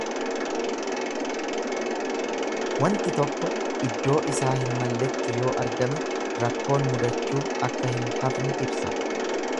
Wanti tokko iddoo isaa hin malletti yoo argame rakkoon mudachuu akka hin hafne ibsa.